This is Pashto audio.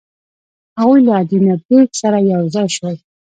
هغوی له ادینه بېګ سره یو ځای شول.